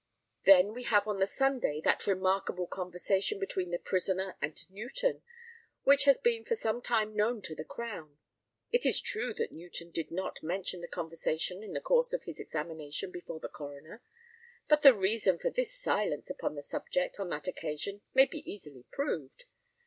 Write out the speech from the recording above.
Then we have on the Sunday that remarkable conversation between the prisoner and Newton, which has been for some time known to the Crown. It is true that Newton did not mention the conversation in the course of his examination before the coroner; but the reason for his silence upon the subject on that occasion may be easily proved.